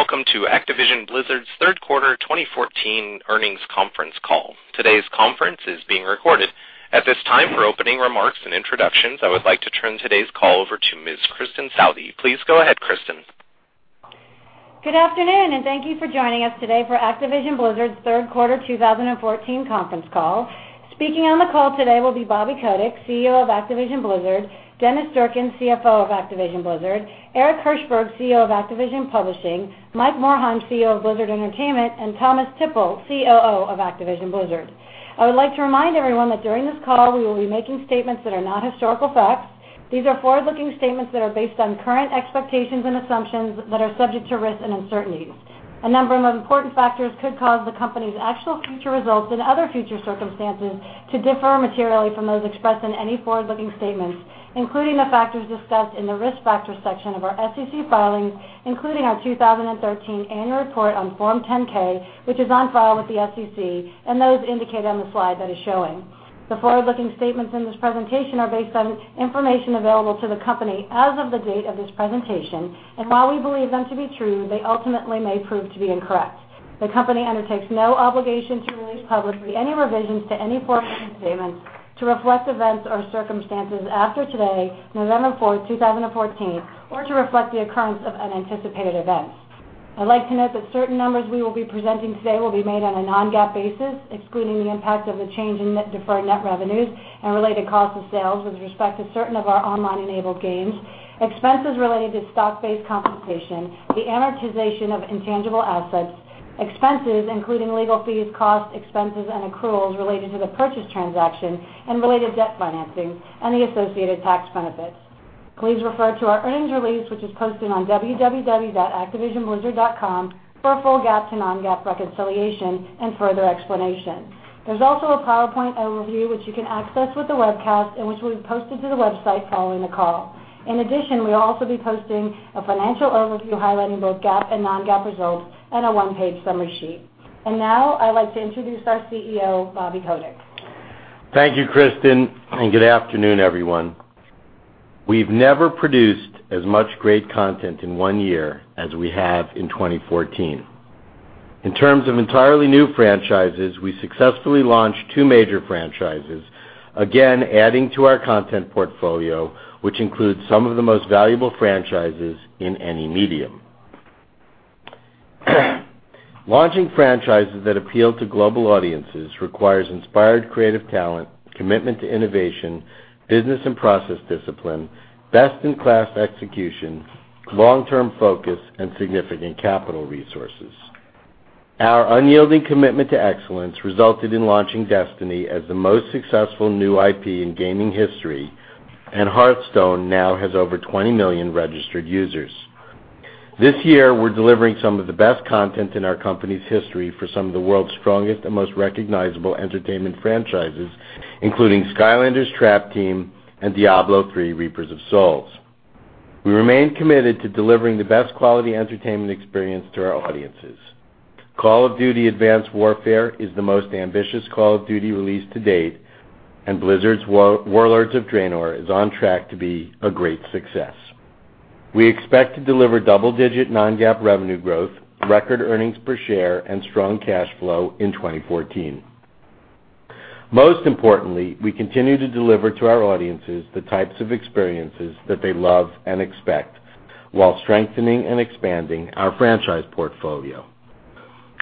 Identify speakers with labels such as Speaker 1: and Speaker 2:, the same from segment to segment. Speaker 1: Good day, welcome to Activision Blizzard's third quarter 2014 earnings conference call. Today's conference is being recorded. At this time, for opening remarks and introductions, I would like to turn today's call over to Ms. Kristin Southey. Please go ahead, Kristin.
Speaker 2: Good afternoon, thank you for joining us today for Activision Blizzard's third quarter 2014 conference call. Speaking on the call today will be Bobby Kotick, CEO of Activision Blizzard, Dennis Durkin, CFO of Activision Blizzard, Eric Hirshberg, CEO of Activision Publishing, Mike Morhaime, CEO of Blizzard Entertainment, and Thomas Tippl, COO of Activision Blizzard. I would like to remind everyone that during this call, we will be making statements that are not historical facts. These are forward-looking statements that are based on current expectations and assumptions that are subject to risks and uncertainties. A number of important factors could cause the company's actual future results and other future circumstances to differ materially from those expressed in any forward-looking statements, including the factors discussed in the Risk Factors section of our SEC filings, including our 2013 Annual Report on Form 10-K, which is on file with the SEC, and those indicated on the slide that is showing. While we believe them to be true, they ultimately may prove to be incorrect. The company undertakes no obligation to release publicly any revisions to any forward-looking statements to reflect events or circumstances after today, November fourth, 2014, or to reflect the occurrence of unanticipated events. I'd like to note that certain numbers we will be presenting today will be made on a non-GAAP basis, excluding the impact of the change in net deferred net revenues and related cost of sales with respect to certain of our online-enabled games, expenses related to stock-based compensation, the amortization of intangible assets, expenses including legal fees, costs, expenses, and accruals related to the purchase transaction and related debt financing, and the associated tax benefits. Please refer to our earnings release, which is posted on www.activisionblizzard.com for a full GAAP to non-GAAP reconciliation and further explanation. There's also a PowerPoint overview which you can access with the webcast and which will be posted to the website following the call. In addition, we'll also be posting a financial overview highlighting both GAAP and non-GAAP results and a one-page summary sheet. Now, I'd like to introduce our CEO, Bobby Kotick.
Speaker 3: Thank you, Kristin, and good afternoon, everyone. We've never produced as much great content in one year as we have in 2014. In terms of entirely new franchises, we successfully launched two major franchises, again, adding to our content portfolio, which includes some of the most valuable franchises in any medium. Launching franchises that appeal to global audiences requires inspired creative talent, commitment to innovation, business and process discipline, best-in-class execution, long-term focus, and significant capital resources. Our unyielding commitment to excellence resulted in launching Destiny as the most successful new IP in gaming history, and Hearthstone now has over 20 million registered users. This year, we're delivering some of the best content in our company's history for some of the world's strongest and most recognizable entertainment franchises, including Skylanders Trap Team and Diablo III: Reaper of Souls. We remain committed to delivering the best quality entertainment experience to our audiences. Call of Duty: Advanced Warfare is the most ambitious Call of Duty release to date, Blizzard's World of Warcraft: Warlords of Draenor is on track to be a great success. We expect to deliver double-digit, non-GAAP revenue growth, record earnings per share, and strong cash flow in 2014. Most importantly, we continue to deliver to our audiences the types of experiences that they love and expect while strengthening and expanding our franchise portfolio.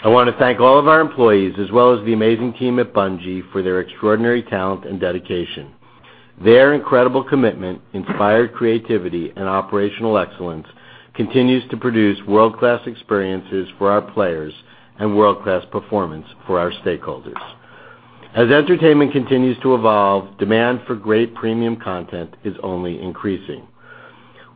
Speaker 3: I want to thank all of our employees, as well as the amazing team at Bungie, for their extraordinary talent and dedication. Their incredible commitment, inspired creativity, and operational excellence continues to produce world-class experiences for our players and world-class performance for our stakeholders. As entertainment continues to evolve, demand for great premium content is only increasing.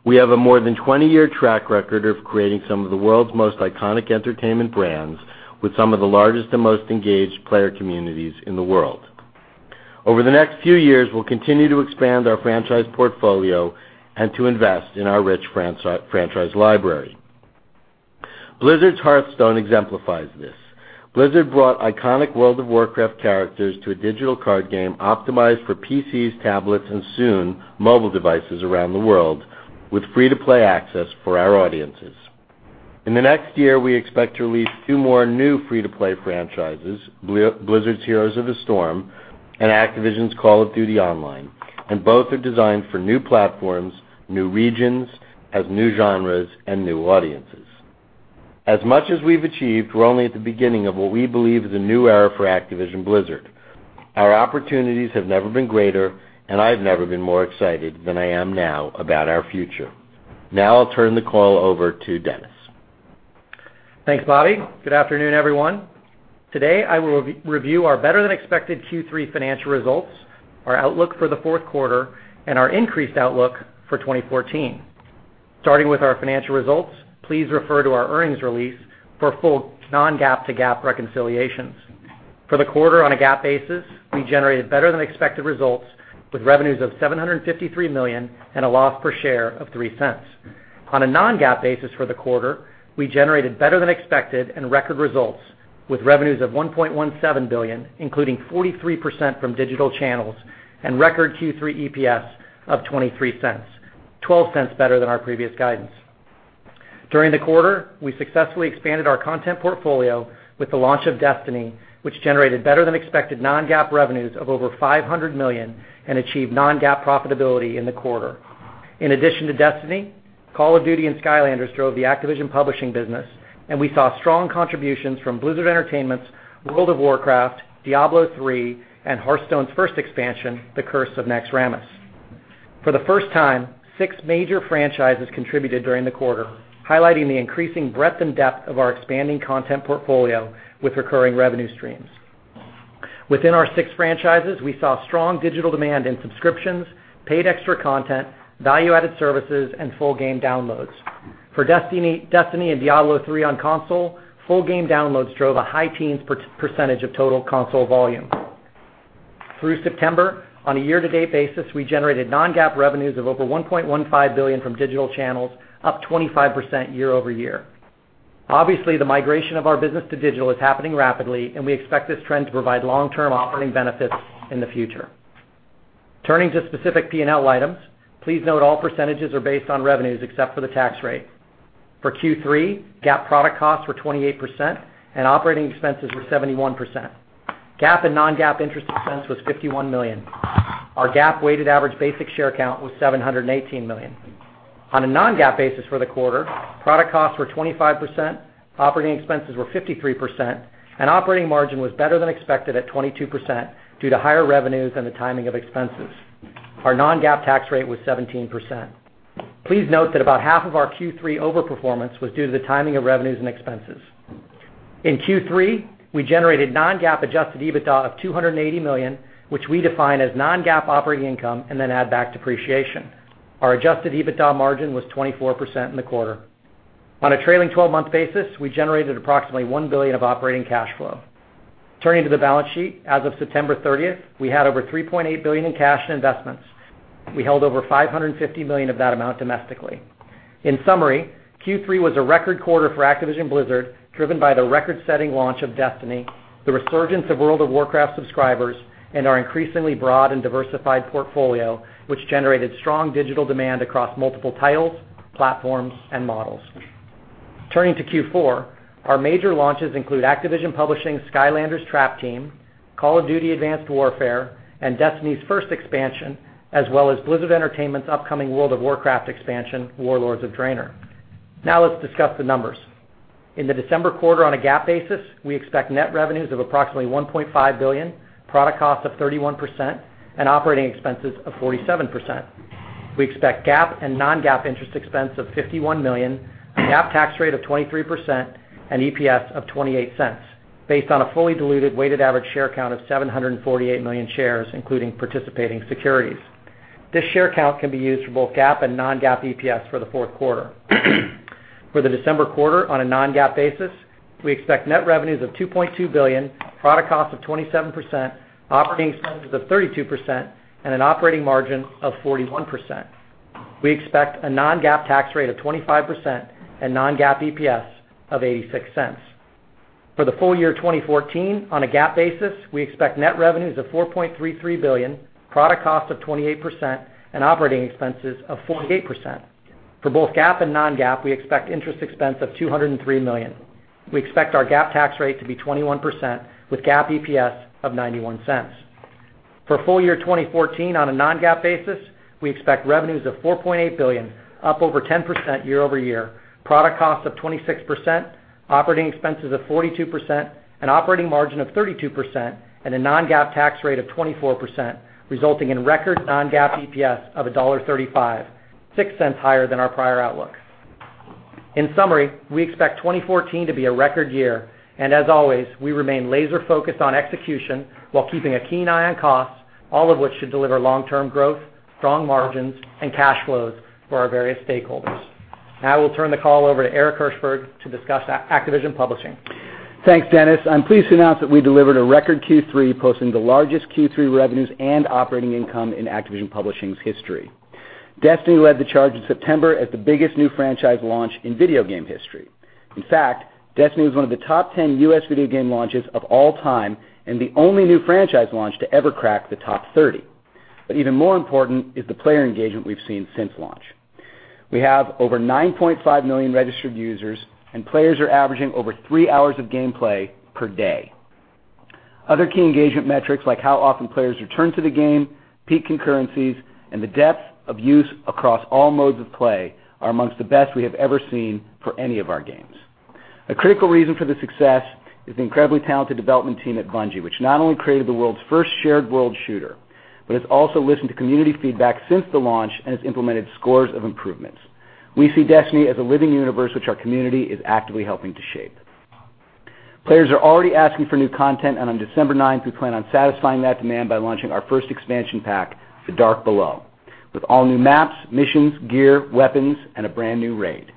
Speaker 3: We have a more than 20-year track record of creating some of the world's most iconic entertainment brands with some of the largest and most engaged player communities in the world. Over the next few years, we'll continue to expand our franchise portfolio and to invest in our rich franchise library. Blizzard's Hearthstone exemplifies this. Blizzard brought iconic World of Warcraft characters to a digital card game optimized for PCs, tablets, and soon, mobile devices around the world with free-to-play access for our audiences. In the next year, we expect to release two more new free-to-play franchises, Blizzard's Heroes of the Storm and Activision's Call of Duty Online, both are designed for new platforms, new regions, as new genres, and new audiences. As much as we've achieved, we're only at the beginning of what we believe is a new era for Activision Blizzard. Our opportunities have never been greater, I've never been more excited than I am now about our future. Now I'll turn the call over to Dennis.
Speaker 4: Thanks, Bobby. Good afternoon, everyone. Today, I will review our better-than-expected Q3 financial results, our outlook for the fourth quarter, and our increased outlook for 2014. Starting with our financial results, please refer to our earnings release for full non-GAAP to GAAP reconciliations. For the quarter on a GAAP basis, we generated better-than-expected results with revenues of $753 million and a loss per share of $0.03. On a non-GAAP basis for the quarter, we generated better-than-expected and record results with- With revenues of $1.17 billion, including 43% from digital channels and record Q3 EPS of $0.23, $0.12 better than our previous guidance. During the quarter, we successfully expanded our content portfolio with the launch of "Destiny," which generated better than expected non-GAAP revenues of over $500 million and achieved non-GAAP profitability in the quarter. In addition to "Destiny," "Call of Duty" and "Skylanders" drove the Activision Publishing business, and we saw strong contributions from Blizzard Entertainment's "World of Warcraft," "Diablo III," and "Hearthstone's" first expansion, "The Curse of Naxxramas." For the first time, six major franchises contributed during the quarter, highlighting the increasing breadth and depth of our expanding content portfolio with recurring revenue streams. Within our six franchises, we saw strong digital demand in subscriptions, paid extra content, value-added services, and full game downloads. For "Destiny" and "Diablo III" on console, full game downloads drove a high teens% of total console volume. Through September, on a year-to-date basis, we generated non-GAAP revenues of over $1.15 billion from digital channels, up 25% year-over-year. Obviously, the migration of our business to digital is happening rapidly, and we expect this trend to provide long-term operating benefits in the future. Turning to specific P&L items, please note all percentages are based on revenues except for the tax rate. For Q3, GAAP product costs were 28% and operating expenses were 71%. GAAP and non-GAAP interest expense was $51 million. Our GAAP weighted average basic share count was 718 million. On a non-GAAP basis for the quarter, product costs were 25%, operating expenses were 53%, and operating margin was better than expected at 22% due to higher revenues and the timing of expenses. Our non-GAAP tax rate was 17%. Please note that about half of our Q3 overperformance was due to the timing of revenues and expenses. In Q3, we generated non-GAAP adjusted EBITDA of $280 million, which we define as non-GAAP operating income and then add back depreciation. Our adjusted EBITDA margin was 24% in the quarter. On a trailing 12-month basis, we generated approximately $1 billion of operating cash flow. Turning to the balance sheet, as of September 30th, we had over $3.8 billion in cash and investments. We held over $550 million of that amount domestically. In summary, Q3 was a record quarter for Activision Blizzard, driven by the record-setting launch of "Destiny," the resurgence of "World of Warcraft" subscribers, and our increasingly broad and diversified portfolio, which generated strong digital demand across multiple titles, platforms, and models. Turning to Q4, our major launches include Activision Publishing's "Skylanders Trap Team," "Call of Duty: Advanced Warfare," and Destiny's first expansion, as well as Blizzard Entertainment's upcoming "World of Warcraft" expansion, "Warlords of Draenor." Let's discuss the numbers. In the December quarter on a GAAP basis, we expect net revenues of approximately $1.5 billion, product cost of 31%, and operating expenses of 47%. We expect GAAP and non-GAAP interest expense of $51 million, a GAAP tax rate of 23%, and EPS of $0.28, based on a fully diluted weighted average share count of 348 million shares, including participating securities. This share count can be used for both GAAP and non-GAAP EPS for the fourth quarter. For the December quarter, on a non-GAAP basis, we expect net revenues of $2.2 billion, product cost of 27%, operating expenses of 32%, and an operating margin of 41%. We expect a non-GAAP tax rate of 25% and non-GAAP EPS of $0.86. For the full year 2014, on a GAAP basis, we expect net revenues of $4.33 billion, product cost of 28%, and operating expenses of 48%. For both GAAP and non-GAAP, we expect interest expense of $203 million. We expect our GAAP tax rate to be 21%, with GAAP EPS of $0.91. For full year 2014, on a non-GAAP basis, we expect revenues of $4.8 billion, up over 10% year-over-year, product cost of 26%, operating expenses of 42%, an operating margin of 32%, and a non-GAAP tax rate of 24%, resulting in record non-GAAP EPS of $1.35, $0.06 higher than our prior outlook. In summary, we expect 2014 to be a record year, as always, we remain laser-focused on execution while keeping a keen eye on costs, all of which should deliver long-term growth, strong margins, and cash flows for our various stakeholders. I will turn the call over to Eric Hirshberg to discuss Activision Publishing.
Speaker 5: Thanks, Dennis. I'm pleased to announce that we delivered a record Q3, posting the largest Q3 revenues and operating income in Activision Publishing's history. "Destiny" led the charge in September as the biggest new franchise launch in video game history. In fact, "Destiny" was one of the top 10 U.S. video game launches of all time and the only new franchise launch to ever crack the top 30. Even more important is the player engagement we've seen since launch. We have over 9.5 million registered users, players are averaging over three hours of gameplay per day. Other key engagement metrics like how often players return to the game, peak concurrencies, the depth of use across all modes of play are amongst the best we have ever seen for any of our games. A critical reason for the success is the incredibly talented development team at Bungie, which not only created the world's first shared world shooter, but has also listened to community feedback since the launch and has implemented scores of improvements. We see Destiny as a living universe which our community is actively helping to shape. Players are already asking for new content. On December 9th, we plan on satisfying that demand by launching our first expansion pack, The Dark Below, with all-new maps, missions, gear, weapons, and a brand-new raid.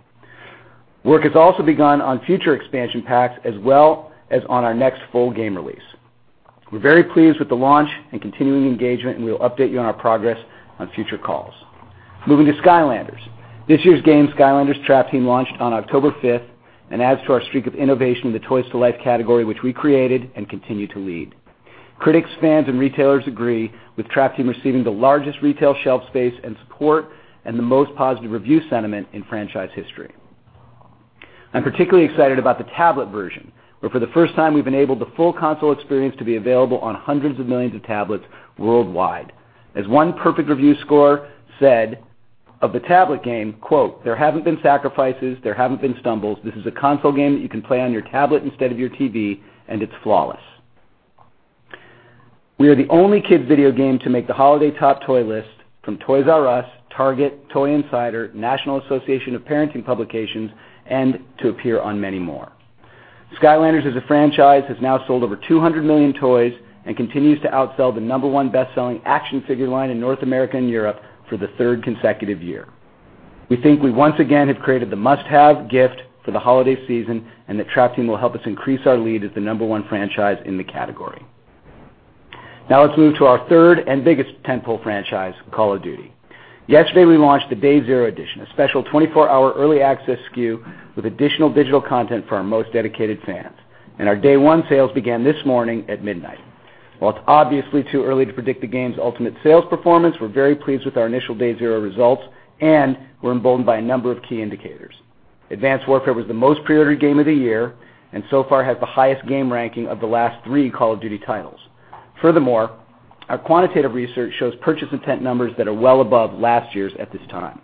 Speaker 5: Work has also begun on future expansion packs, as well as on our next full game release. We're very pleased with the launch and continuing engagement, and we'll update you on our progress on future calls. Moving to Skylanders. This year's game, Skylanders: Trap Team launched on October 5th and adds to our streak of innovation in the Toys to Life category, which we created and continue to lead. Critics, fans, and retailers agree, with Trap Team receiving the largest retail shelf space and support and the most positive review sentiment in franchise history. I'm particularly excited about the tablet version, where for the first time we've enabled the full console experience to be available on hundreds of millions of tablets worldwide. As one perfect review score said of the tablet game, "There haven't been sacrifices, there haven't been stumbles. This is a console game that you can play on your tablet instead of your TV, and it's flawless." We are the only kids video game to make the holiday top toy list from Toys "R" Us, Target, Toy Insider, National Parenting Publications Awards, and to appear on many more. Skylanders as a franchise has now sold over 200 million toys and continues to outsell the number one best-selling action figure line in North America and Europe for the third consecutive year. We think we once again have created the must-have gift for the holiday season, and that Trap Team will help us increase our lead as the number one franchise in the category. Let's move to our third and biggest tentpole franchise, Call of Duty. Yesterday, we launched the Day Zero edition, a special 24-hour early access SKU with additional digital content for our most dedicated fans. Our Day One sales began this morning at midnight. While it's obviously too early to predict the game's ultimate sales performance, we're very pleased with our initial Day Zero results, and we're emboldened by a number of key indicators. Advanced Warfare was the most pre-ordered game of the year, and so far has the highest game ranking of the last three Call of Duty titles. Furthermore, our quantitative research shows purchase intent numbers that are well above last year's at this time.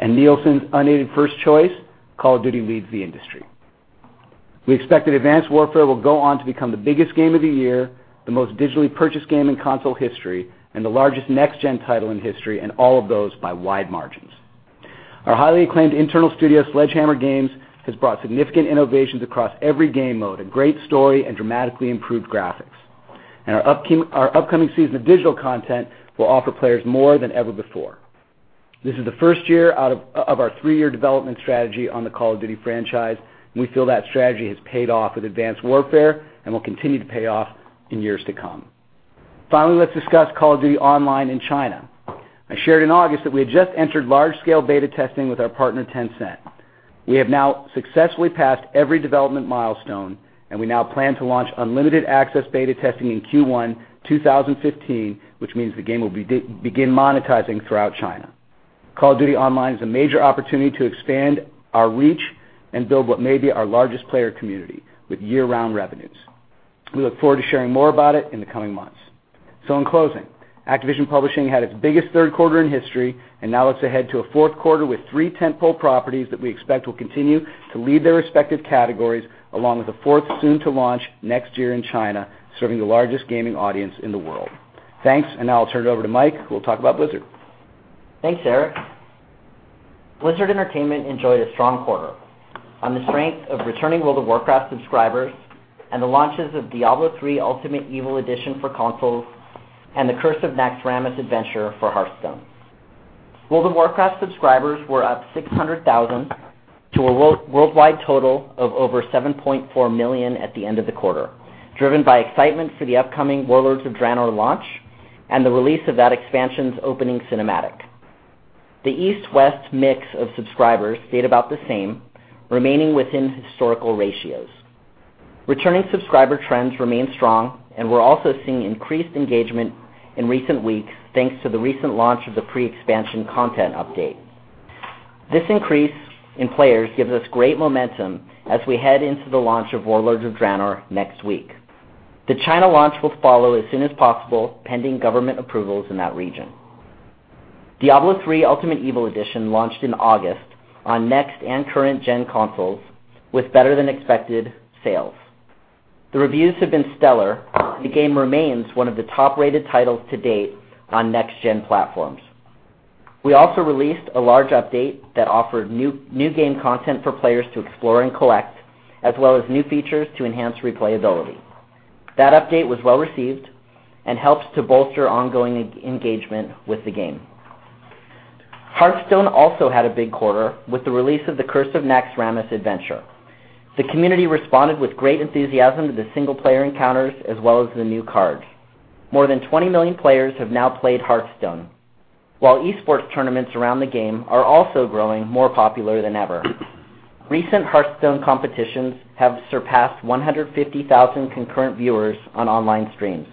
Speaker 5: Nielsen's unaided first choice, Call of Duty leads the industry. We expect that Advanced Warfare will go on to become the biggest game of the year, the most digitally purchased game in console history, and the largest next-gen title in history, and all of those by wide margins. Our highly acclaimed internal studio, Sledgehammer Games, has brought significant innovations across every game mode, a great story, and dramatically improved graphics. Our upcoming season of digital content will offer players more than ever before. This is the first year of our three-year development strategy on the Call of Duty franchise, and we feel that strategy has paid off with Advanced Warfare and will continue to pay off in years to come. Finally, let's discuss Call of Duty Online in China. I shared in August that we had just entered large-scale beta testing with our partner, Tencent. We have now successfully passed every development milestone, and we now plan to launch unlimited access beta testing in Q1 2015, which means the game will begin monetizing throughout China. Call of Duty Online is a major opportunity to expand our reach and build what may be our largest player community with year-round revenues. We look forward to sharing more about it in the coming months. In closing, Activision Publishing had its biggest third quarter in history, and now looks ahead to a fourth quarter with three tentpole properties that we expect will continue to lead their respective categories, along with a fourth soon to launch next year in China, serving the largest gaming audience in the world. Thanks, now I'll turn it over to Mike, who will talk about Blizzard.
Speaker 6: Thanks, Eric. Blizzard Entertainment enjoyed a strong quarter on the strength of returning World of Warcraft subscribers and the launches of Diablo III: Ultimate Evil Edition for consoles and the Curse of Naxxramas adventure for Hearthstone. World of Warcraft subscribers were up 600,000 to a worldwide total of over 7.4 million at the end of the quarter, driven by excitement for the upcoming Warlords of Draenor launch and the release of that expansion's opening cinematic. The East-West mix of subscribers stayed about the same, remaining within historical ratios. Returning subscriber trends remain strong, and we're also seeing increased engagement in recent weeks thanks to the recent launch of the pre-expansion content update. This increase in players gives us great momentum as we head into the launch of Warlords of Draenor next week. The China launch will follow as soon as possible, pending government approvals in that region. Diablo III: Ultimate Evil Edition launched in August on next and current-gen consoles with better than expected sales. The reviews have been stellar. The game remains one of the top-rated titles to date on next-gen platforms. We also released a large update that offered new game content for players to explore and collect, as well as new features to enhance replayability. That update was well-received and helps to bolster ongoing engagement with the game. Hearthstone also had a big quarter with the release of the Curse of Naxxramas adventure. The community responded with great enthusiasm to the single-player encounters as well as the new cards. More than 20 million players have now played Hearthstone. While e-sports tournaments around the game are also growing more popular than ever. Recent Hearthstone competitions have surpassed 150,000 concurrent viewers on online streams.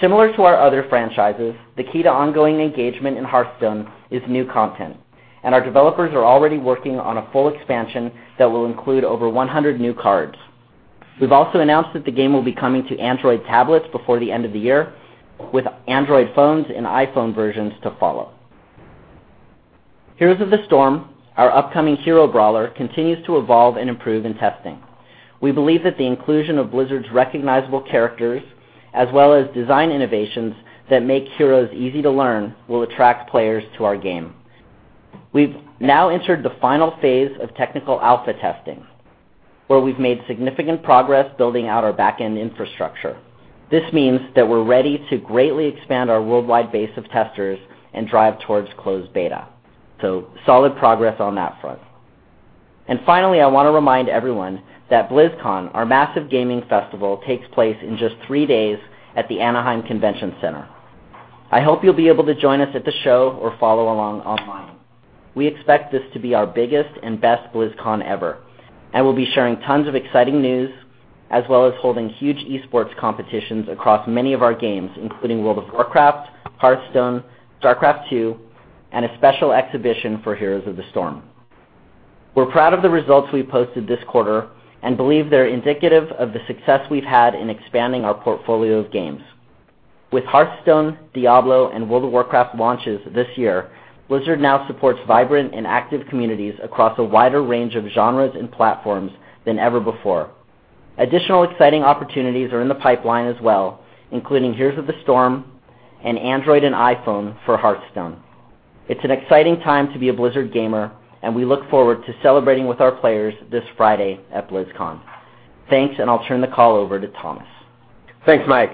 Speaker 6: Similar to our other franchises, the key to ongoing engagement in Hearthstone is new content. Our developers are already working on a full expansion that will include over 100 new cards. We've also announced that the game will be coming to Android tablets before the end of the year, with Android phones and iPhone versions to follow. Heroes of the Storm, our upcoming hero brawler, continues to evolve and improve in testing. We believe that the inclusion of Blizzard's recognizable characters, as well as design innovations that make Heroes easy to learn, will attract players to our game. We've now entered the final phase of technical alpha testing, where we've made significant progress building out our back-end infrastructure. This means that we're ready to greatly expand our worldwide base of testers and drive towards closed beta. Solid progress on that front. Finally, I want to remind everyone that BlizzCon, our massive gaming festival, takes place in just three days at the Anaheim Convention Center. I hope you'll be able to join us at the show or follow along online. We expect this to be our biggest and best BlizzCon ever. We'll be sharing tons of exciting news, as well as holding huge esports competitions across many of our games, including World of Warcraft, Hearthstone, StarCraft II, and a special exhibition for Heroes of the Storm. We're proud of the results we posted this quarter and believe they're indicative of the success we've had in expanding our portfolio of games. With Hearthstone, Diablo, and World of Warcraft launches this year, Blizzard now supports vibrant and active communities across a wider range of genres and platforms than ever before. Additional exciting opportunities are in the pipeline as well, including Heroes of the Storm and Android and iPhone for Hearthstone. It's an exciting time to be a Blizzard gamer. We look forward to celebrating with our players this Friday at BlizzCon. Thanks. I'll turn the call over to Thomas.
Speaker 7: Thanks, Mike.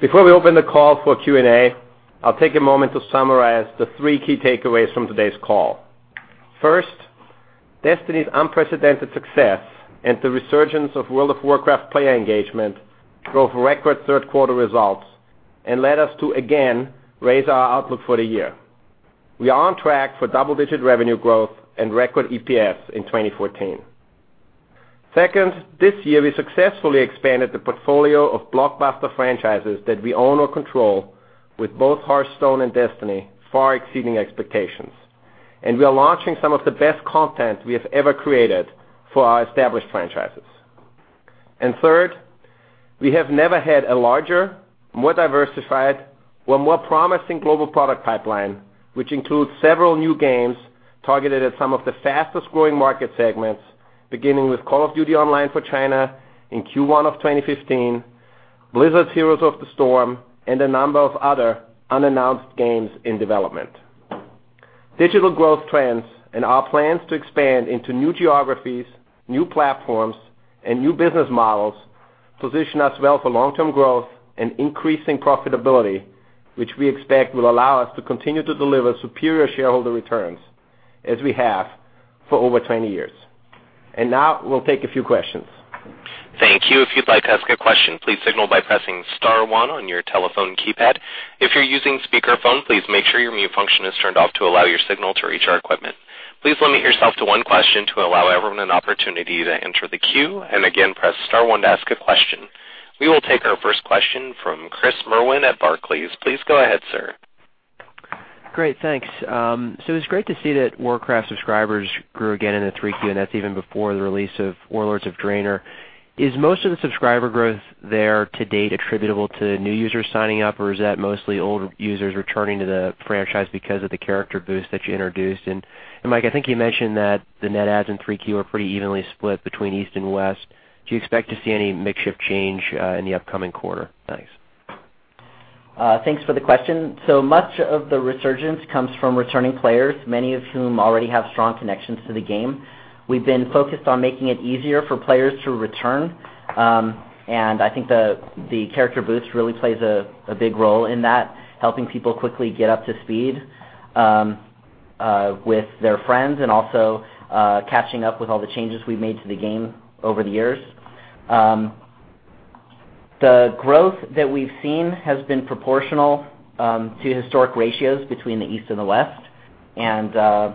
Speaker 7: Before we open the call for Q&A, I'll take a moment to summarize the three key takeaways from today's call. First, Destiny's unprecedented success and the resurgence of World of Warcraft player engagement drove record third quarter results and led us to, again, raise our outlook for the year. We are on track for double-digit revenue growth and record EPS in 2014. Second, this year, we successfully expanded the portfolio of blockbuster franchises that we own or control with both Hearthstone and Destiny far exceeding expectations. We are launching some of the best content we have ever created for our established franchises. Third, we have never had a larger, more diversified or more promising global product pipeline, which includes several new games targeted at some of the fastest-growing market segments, beginning with Call of Duty Online for China in Q1 of 2015, Blizzard's Heroes of the Storm, and a number of other unannounced games in development. Digital growth trends and our plans to expand into new geographies, new platforms, and new business models position us well for long-term growth and increasing profitability, which we expect will allow us to continue to deliver superior shareholder returns as we have for over 20 years. Now we'll take a few questions.
Speaker 1: Thank you. If you'd like to ask a question, please signal by pressing *1 on your telephone keypad. If you're using speakerphone, please make sure your mute function is turned off to allow your signal to reach our equipment. Please limit yourself to one question to allow everyone an opportunity to enter the queue, and again, press *1 to ask a question. We will take our first question from Chris Merwin at Barclays. Please go ahead, sir.
Speaker 8: Great, thanks. It's great to see that Warcraft subscribers grew again in the 3Q, and that's even before the release of Warlords of Draenor. Is most of the subscriber growth there to date attributable to new users signing up, or is that mostly old users returning to the franchise because of the character boost that you introduced? Mike, I think you mentioned that the net adds in 3Q are pretty evenly split between East and West. Do you expect to see any mix shift change in the upcoming quarter? Thanks.
Speaker 6: Thanks for the question. Much of the resurgence comes from returning players, many of whom already have strong connections to the game. We've been focused on making it easier for players to return, and I think the character boost really plays a big role in that, helping people quickly get up to speed with their friends and also catching up with all the changes we've made to the game over the years. The growth that we've seen has been proportional to historic ratios between the East and the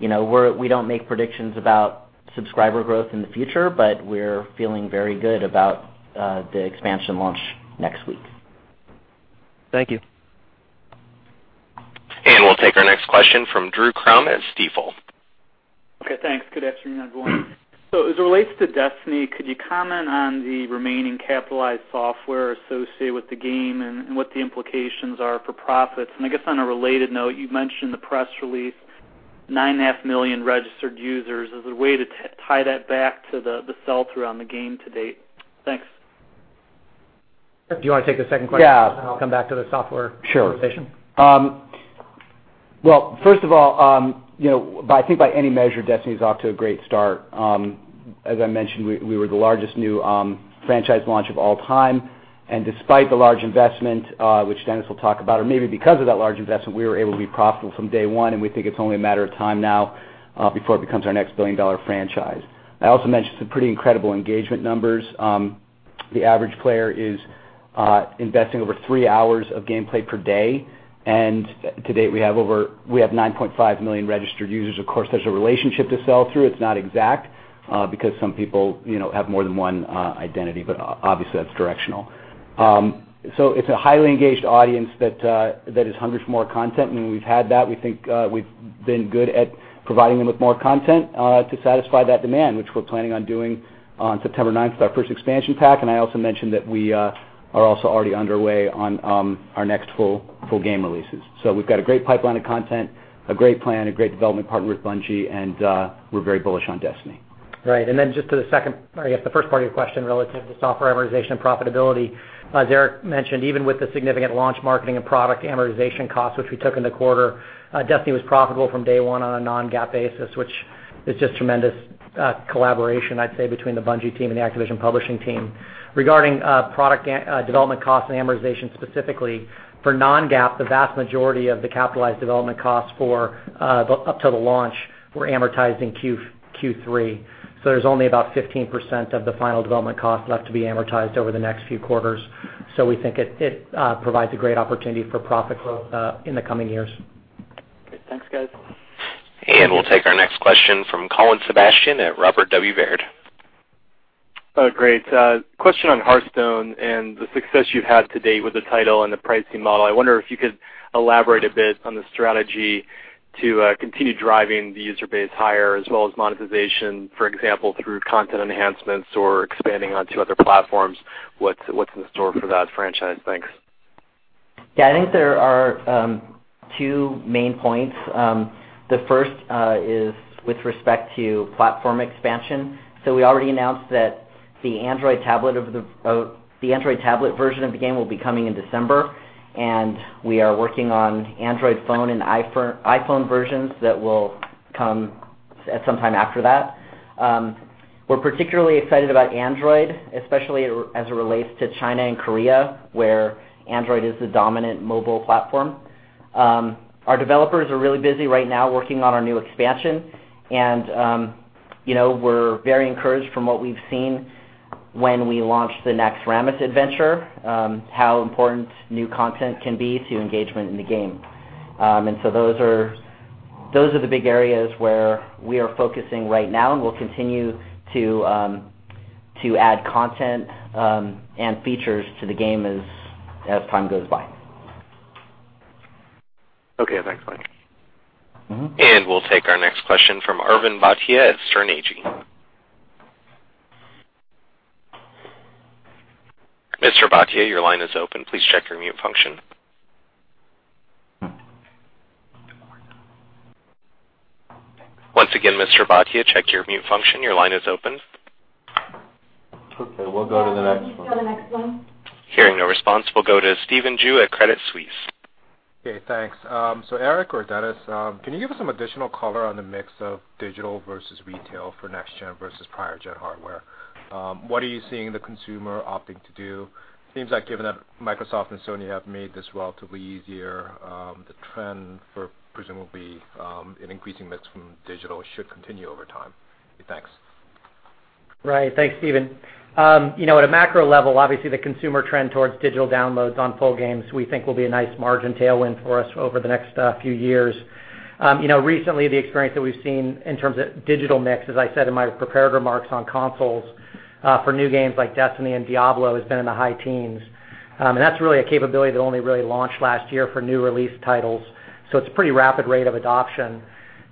Speaker 6: West. We don't make predictions about subscriber growth in the future, but we're feeling very good about the expansion launch next week.
Speaker 8: Thank you.
Speaker 7: We'll take our next question from Drew Crum at Stifel.
Speaker 9: Okay, thanks. Good afternoon, everyone. As it relates to Destiny, could you comment on the remaining capitalized software associated with the game and what the implications are for profits? I guess on a related note, you've mentioned the press release, 9.5 million registered users. Is there a way to tie that back to the sell-through on the game to date? Thanks.
Speaker 6: Do you want to take the second question?
Speaker 5: Yeah.
Speaker 6: I'll come back to the software amortization.
Speaker 5: Sure. Well, first of all, I think by any measure, Destiny's off to a great start. As I mentioned, we were the largest new franchise launch of all time. Despite the large investment, which Dennis will talk about, or maybe because of that large investment, we were able to be profitable from day one, and we think it's only a matter of time now before it becomes our next billion-dollar franchise. I also mentioned some pretty incredible engagement numbers. The average player is investing over three hours of gameplay per day. To date, we have 9.5 million registered users. Of course, there's a relationship to sell-through. It's not exact because some people have more than one identity, but obviously, that's directional. It's a highly engaged audience that is hungry for more content, and we've had that. We think we've been good at providing them with more content to satisfy that demand, which we're planning on doing on September 9th with our first expansion pack. I also mentioned that we are also already underway on our next full game releases. We've got a great pipeline of content, a great plan, a great development partner with Bungie, and we're very bullish on Destiny.
Speaker 6: Right. Then just to the second, or I guess the first part of your question relative to software amortization and profitability. As Eric mentioned, even with the significant launch marketing and product amortization costs, which we took in the quarter, Destiny was profitable from day one on a non-GAAP basis, which is just tremendous collaboration, I'd say, between the Bungie team and the Activision Publishing team. Regarding product development costs and amortization specifically, for non-GAAP, the vast majority of the capitalized development costs up till the launch were amortized in Q3. There's only about 15% of the final development cost left to be amortized over the next few quarters. We think it provides a great opportunity for profit growth in the coming years.
Speaker 9: Great. Thanks, guys.
Speaker 7: We'll take our next question from Colin Sebastian at Robert W. Baird.
Speaker 10: Great. Question on Hearthstone and the success you've had to date with the title and the pricing model. I wonder if you could elaborate a bit on the strategy to continue driving the user base higher as well as monetization, for example, through content enhancements or expanding onto other platforms. What's in store for that franchise? Thanks.
Speaker 6: Yeah, I think there are two main points. The first is with respect to platform expansion. We already announced that the Android tablet version of the game will be coming in December, and we are working on Android phone and iPhone versions that will come at some time after that. We're particularly excited about Android, especially as it relates to China and Korea, where Android is the dominant mobile platform. Our developers are really busy right now working on our new expansion. We're very encouraged from what we've seen when we launch the Curse of Naxxramas adventure, how important new content can be to engagement in the game. Those are the big areas where we are focusing right now, and we'll continue to add content and features to the game as time goes by.
Speaker 10: Okay, thanks. Bye.
Speaker 7: We'll take our next question from Arvind Bhatia at Sterne, Agee. Mr. Bhatia, your line is open. Please check your mute function. Once again, Mr. Bhatia, check your mute function. Your line is open.
Speaker 2: Okay, we'll go to the next one. Yeah, let's go to the next one.
Speaker 7: Hearing no response, we'll go to Stephen Ju at Credit Suisse.
Speaker 11: Okay, thanks. Eric or Dennis, can you give us some additional color on the mix of digital versus retail for next-gen versus prior-gen hardware? What are you seeing the consumer opting to do? Seems like given that Microsoft and Sony have made this relatively easier, the trend for presumably an increasing mix from digital should continue over time. Thanks.
Speaker 4: Right. Thanks, Stephen. At a macro level, obviously the consumer trend towards digital downloads on full games we think will be a nice margin tailwind for us over the next few years. Recently, the experience that we've seen in terms of digital mix, as I said in my prepared remarks on consoles for new games like Destiny and Diablo, has been in the high teens. That's really a capability that only really launched last year for new release titles, so it's a pretty rapid rate of adoption.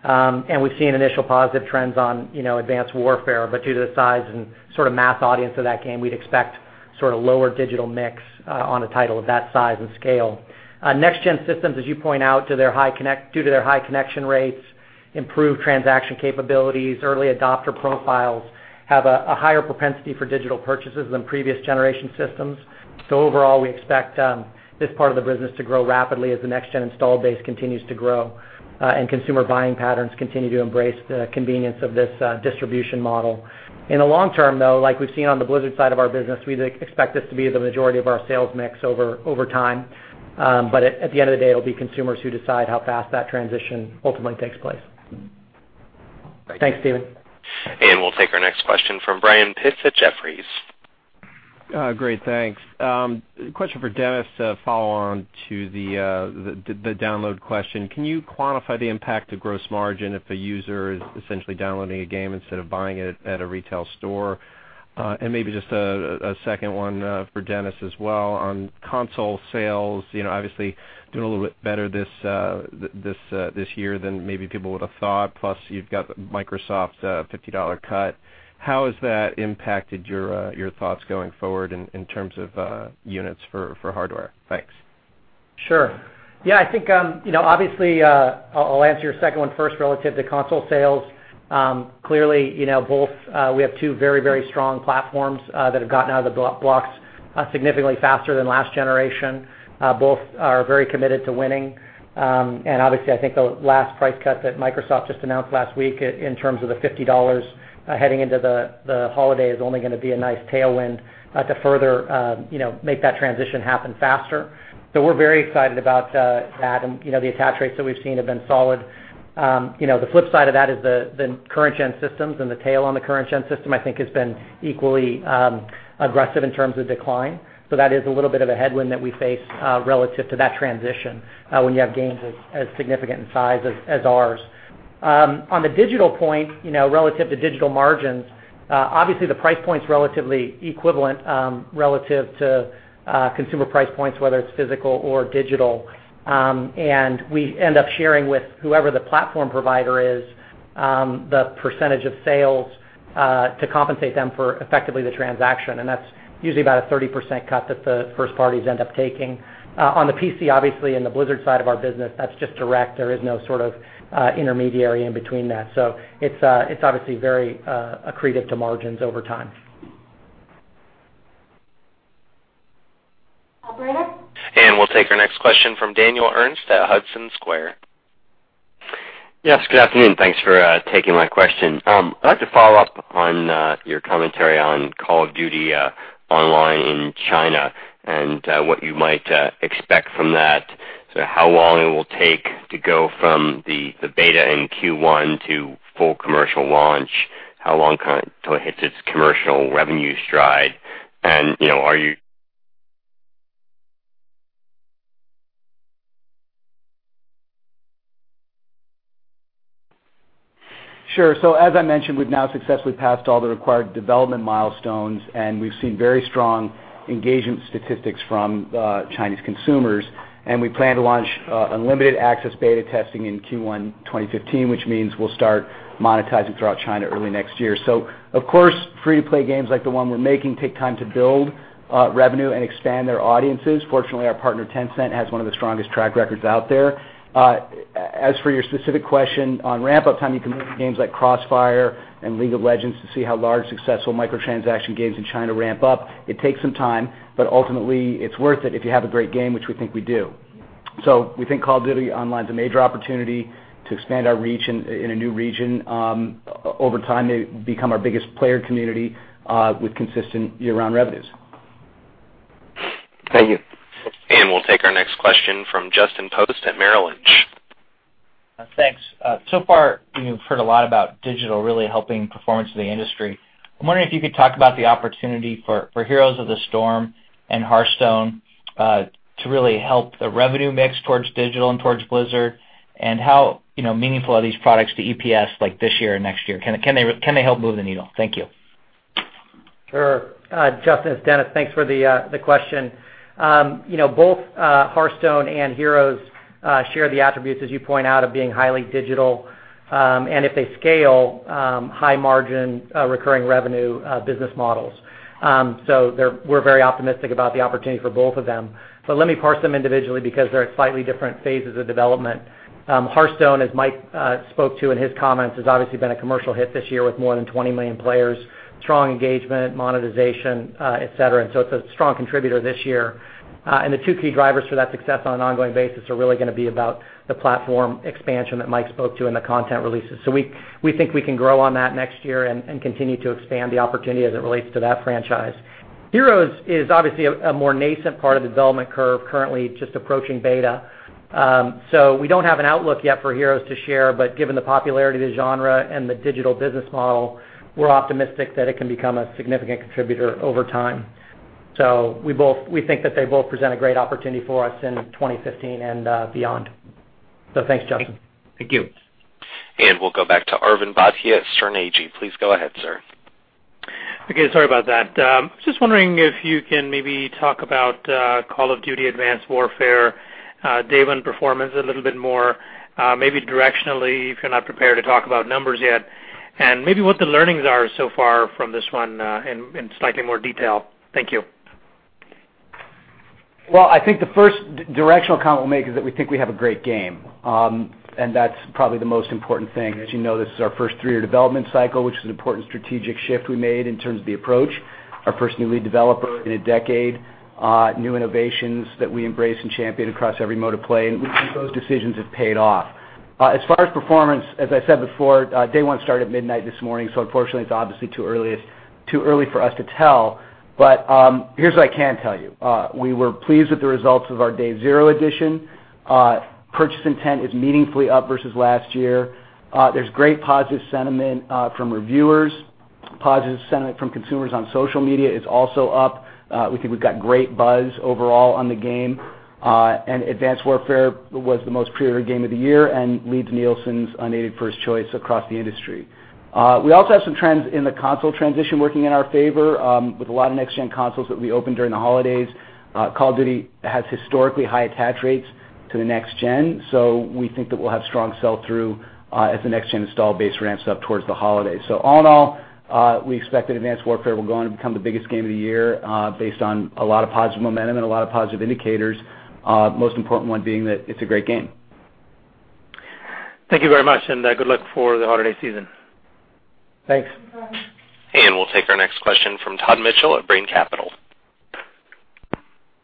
Speaker 4: We've seen initial positive trends on Advanced Warfare, but due to the size and sort of mass audience of that game, we'd expect lower digital mix on a title of that size and scale. Next-gen systems, as you point out, due to their high connection rates, improved transaction capabilities, early adopter profiles, have a higher propensity for digital purchases than previous generation systems. Overall, we expect this part of the business to grow rapidly as the next-gen install base continues to grow and consumer buying patterns continue to embrace the convenience of this distribution model. In the long term, though, like we've seen on the Blizzard side of our business, we expect this to be the majority of our sales mix over time. At the end of the day, it'll be consumers who decide how fast that transition ultimately takes place.
Speaker 11: Thank you.
Speaker 4: Thanks, Stephen.
Speaker 7: We'll take our next question from Brian Pitz at Jefferies.
Speaker 12: Great, thanks. Question for Dennis to follow on to the download question. Can you quantify the impact of gross margin if a user is essentially downloading a game instead of buying it at a retail store? Maybe just a second one for Dennis as well on console sales, obviously doing a little bit better this year than maybe people would have thought, plus you've got Microsoft's $50 cut. How has that impacted your thoughts going forward in terms of units for hardware? Thanks.
Speaker 4: Sure. Yeah, I think, obviously, I'll answer your second one first relative to console sales. Clearly, both we have two very strong platforms that have gotten out of the blocks significantly faster than last generation. Both are very committed to winning. Obviously, I think the last price cut that Microsoft just announced last week in terms of the $50 heading into the holiday is only going to be a nice tailwind to further make that transition happen faster. We're very excited about that, and the attach rates that we've seen have been solid. The flip side of that is the current-gen systems and the tail on the current-gen system, I think, has been equally aggressive in terms of decline. That is a little bit of a headwind that we face relative to that transition when you have games as significant in size as ours. On the digital point, relative to digital margins, obviously the price point's relatively equivalent relative to consumer price points, whether it's physical or digital. We end up sharing with whoever the platform provider is, the percentage of sales to compensate them for effectively the transaction, and that's usually about a 30% cut that the first parties end up taking. On the PC, obviously, in the Blizzard side of our business, that's just direct. There is no sort of intermediary in between that. It's obviously very accretive to margins over time.
Speaker 2: Operator?
Speaker 7: We'll take our next question from Daniel Ernst at Hudson Square.
Speaker 13: Yes, good afternoon. Thanks for taking my question. I'd like to follow up on your commentary on Call of Duty Online in China and what you might expect from that. How long it will take to go from the beta in Q1 to full commercial launch? How long till it hits its commercial revenue stride? Are you
Speaker 5: Sure. As I mentioned, we've now successfully passed all the required development milestones, and we've seen very strong engagement statistics from Chinese consumers. We plan to launch unlimited access beta testing in Q1 2015, which means we'll start monetizing throughout China early next year. Of course, free-to-play games like the one we're making take time to build revenue and expand their audiences. Fortunately, our partner, Tencent, has one of the strongest track records out there. As for your specific question on ramp-up time, you can look at games like "CrossFire" and "League of Legends" to see how large, successful microtransaction games in China ramp up. It takes some time, but ultimately it's worth it if you have a great game, which we think we do. We think "Call of Duty: Online" is a major opportunity to expand our reach in a new region. Over time, they become our biggest player community, with consistent year-round revenues.
Speaker 13: Thank you.
Speaker 7: We'll take our next question from Justin Post at Merrill Lynch.
Speaker 14: Thanks. So far, we've heard a lot about digital really helping performance of the industry. I'm wondering if you could talk about the opportunity for Heroes of the Storm and Hearthstone to really help the revenue mix towards digital and towards Blizzard, and how meaningful are these products to EPS like this year or next year? Can they help move the needle? Thank you.
Speaker 4: Sure. Justin, it's Dennis. Thanks for the question. Both Hearthstone and Heroes share the attributes, as you point out, of being highly digital, and if they scale, high-margin, recurring revenue business models. We're very optimistic about the opportunity for both of them. Let me parse them individually because they're at slightly different phases of development. Hearthstone, as Mike spoke to in his comments, has obviously been a commercial hit this year with more than 20 million players, strong engagement, monetization, et cetera. It's a strong contributor this year. The two key drivers for that success on an ongoing basis are really going to be about the platform expansion that Mike spoke to and the content releases. We think we can grow on that next year and continue to expand the opportunity as it relates to that franchise. Heroes is obviously a more nascent part of the development curve, currently just approaching beta. We don't have an outlook yet for Heroes to share, but given the popularity of the genre and the digital business model, we're optimistic that it can become a significant contributor over time. We think that they both present a great opportunity for us in 2015 and beyond. Thanks, Justin.
Speaker 14: Thank you.
Speaker 7: We'll go back to Arvind Bhatia at Sterne Agee. Please go ahead, sir.
Speaker 15: Okay, sorry about that. Just wondering if you can maybe talk about Call of Duty: Advanced Warfare day one performance a little bit more, maybe directionally, if you're not prepared to talk about numbers yet. Maybe what the learnings are so far from this one in slightly more detail. Thank you.
Speaker 5: Well, I think the first directional comment we'll make is that we think we have a great game, that's probably the most important thing. As you know, this is our first three-year development cycle, which is an important strategic shift we made in terms of the approach. Our first new lead developer in a decade, new innovations that we embrace and champion across every mode of play, we think those decisions have paid off. As far as performance, as I said before, day one started midnight this morning, so unfortunately, it's obviously too early for us to tell. Here's what I can tell you. We were pleased with the results of our Day Zero Edition. Purchase intent is meaningfully up versus last year. There's great positive sentiment from reviewers. Positive sentiment from consumers on social media is also up. We think we've got great buzz overall on the game, Advanced Warfare was the most pre-ordered game of the year and leads Nielsen's unaided first choice across the industry. We also have some trends in the console transition working in our favor, with a lot of next-gen consoles that we open during the holidays. Call of Duty has historically high attach rates to the next gen, we think that we'll have strong sell-through as the next-gen install base ramps up towards the holidays. All in all, we expect that Advanced Warfare will go on to become the biggest game of the year based on a lot of positive momentum and a lot of positive indicators. Most important one being that it's a great game.
Speaker 15: Thank you very much, and good luck for the holiday season.
Speaker 5: Thanks.
Speaker 7: We'll take our next question from Todd Mitchell at Brean Capital.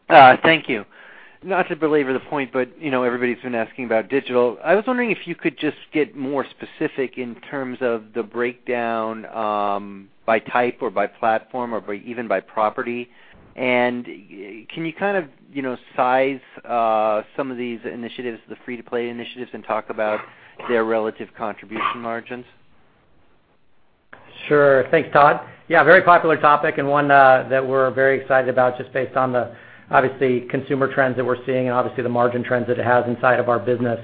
Speaker 16: Thank you. Not to belabor the point, but everybody's been asking about digital. I was wondering if you could just get more specific in terms of the breakdown by type or by platform or even by property. Can you kind of size some of these initiatives, the free-to-play initiatives, and talk about their relative contribution margins?
Speaker 4: Sure. Thanks, Todd. Yeah, very popular topic and one that we're very excited about just based on the, obviously, consumer trends that we're seeing and obviously the margin trends that it has inside of our business.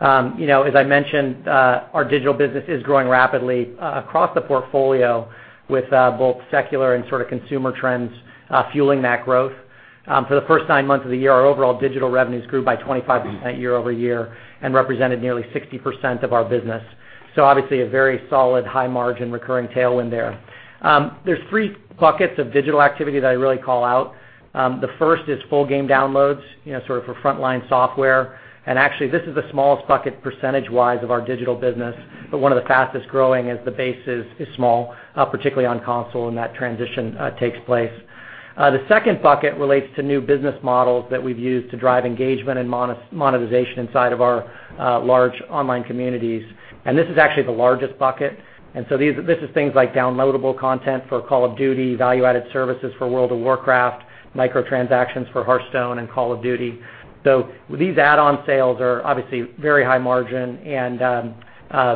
Speaker 4: As I mentioned, our digital business is growing rapidly across the portfolio with both secular and sort of consumer trends fueling that growth. For the first nine months of the year, our overall digital revenues grew by 25% year-over-year and represented nearly 60% of our business. Obviously a very solid high margin recurring tailwind there. There's three buckets of digital activity that I really call out. The first is full game downloads, sort of for frontline software. Actually this is the smallest bucket percentage-wise of our digital business, but one of the fastest-growing as the base is small, particularly on console and that transition takes place. The second bucket relates to new business models that we've used to drive engagement and monetization inside of our large online communities. This is actually the largest bucket. This is things like downloadable content for Call of Duty, value-added services for World of Warcraft, microtransactions for Hearthstone and Call of Duty. These add-on sales are obviously very high margin and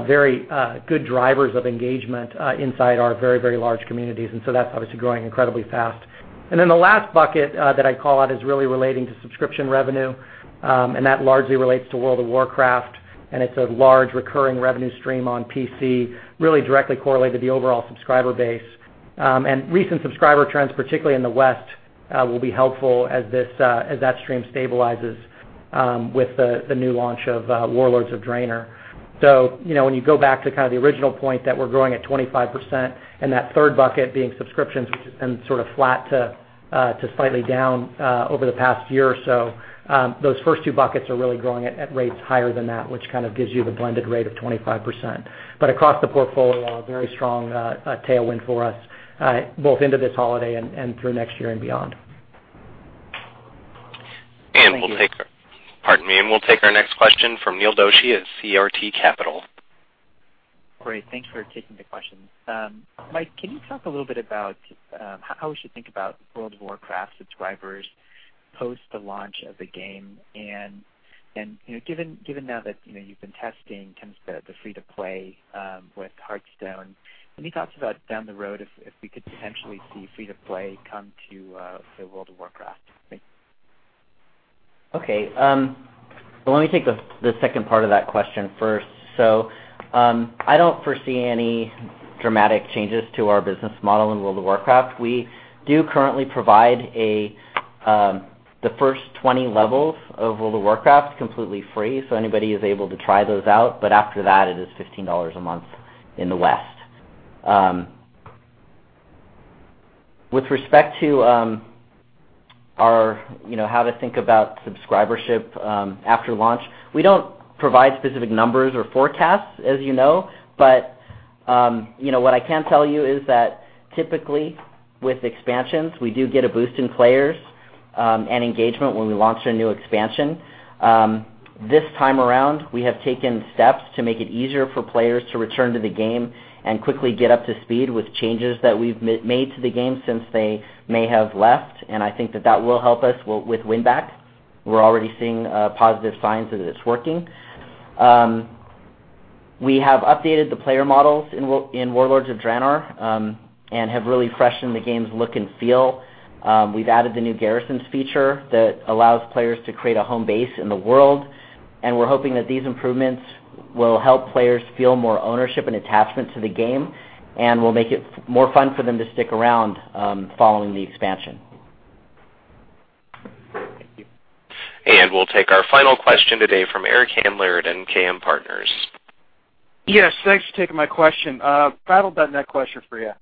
Speaker 4: very good drivers of engagement inside our very large communities. That's obviously growing incredibly fast. The last bucket that I call out is really relating to subscription revenue. That largely relates to World of Warcraft, and it's a large recurring revenue stream on PC, really directly correlated to the overall subscriber base. Recent subscriber trends, particularly in the West, will be helpful as that stream stabilizes with the new launch of Warlords of Draenor. When you go back to the original point that we're growing at 25% and that third bucket being subscriptions, which has been sort of flat to slightly down over the past year or so, those first two buckets are really growing at rates higher than that, which kind of gives you the blended rate of 25%. Across the portfolio, a very strong tailwind for us, both into this holiday and through next year and beyond.
Speaker 7: We'll take.
Speaker 2: Thank you. Pardon me. We'll take our next question from Neil Doshi at CRT Capital.
Speaker 17: Great. Thanks for taking the question. Mike, can you talk a little bit about how we should think about World of Warcraft subscribers post the launch of the game? Given now that you've been testing the free-to-play with Hearthstone, can you talk to about down the road, if we could potentially see free-to-play come to World of Warcraft? Thanks.
Speaker 6: Okay. Let me take the second part of that question first. I don't foresee any dramatic changes to our business model in World of Warcraft. We do currently provide the first 20 levels of World of Warcraft completely free, so anybody is able to try those out. After that, it is $15 a month in the West. With respect to how to think about subscribership after launch, we don't provide specific numbers or forecasts, as you know. What I can tell you is that typically with expansions, we do get a boost in players and engagement when we launch a new expansion. This time around, we have taken steps to make it easier for players to return to the game and quickly get up to speed with changes that we've made to the game since they may have left. I think that that will help us with win-back. We're already seeing positive signs that it's working. We have updated the player models in Warlords of Draenor and have really freshened the game's look and feel. We've added the new garrisons feature that allows players to create a home base in the world, and we're hoping that these improvements will help players feel more ownership and attachment to the game, and will make it more fun for them to stick around following the expansion.
Speaker 17: Thank you.
Speaker 7: We'll take our final question today from Eric Handler at MKM Partners.
Speaker 18: Yes, thanks for taking my question. Battle.net question for you.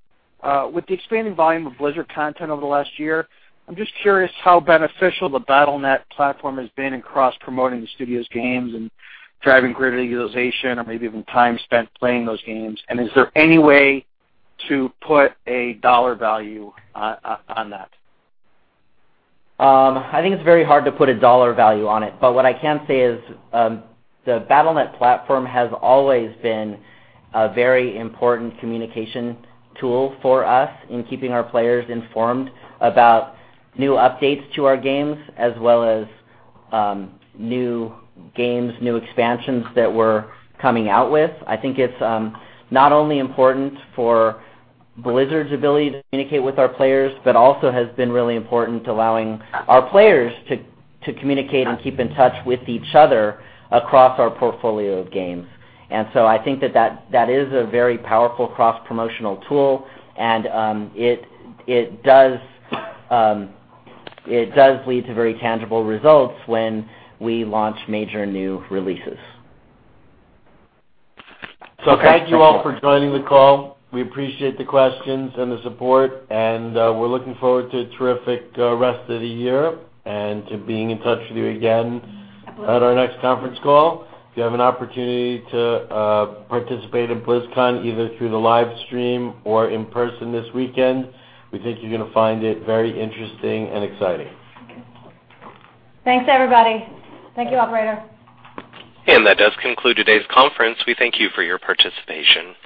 Speaker 18: With the expanding volume of Blizzard content over the last year, I'm just curious how beneficial the Battle.net platform has been in cross-promoting the studio's games and driving greater utilization or maybe even time spent playing those games. Is there any way to put a dollar value on that?
Speaker 6: I think it's very hard to put a dollar value on it. What I can say is, the Battle.net platform has always been a very important communication tool for us in keeping our players informed about new updates to our games as well as new games, new expansions that we're coming out with. I think it's not only important for Blizzard's ability to communicate with our players, but also has been really important to allowing our players to communicate and keep in touch with each other across our portfolio of games. I think that that is a very powerful cross-promotional tool, it does lead to very tangible results when we launch major new releases.
Speaker 2: Okay. Thank you all for joining the call. We appreciate the questions and the support, and we're looking forward to a terrific rest of the year and to being in touch with you again at our next conference call. If you have an opportunity to participate in BlizzCon, either through the live stream or in person this weekend, we think you're going to find it very interesting and exciting. Thanks, everybody. Thank you, operator.
Speaker 1: That does conclude today's conference. We thank you for your participation.